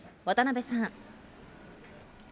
渡邊さん。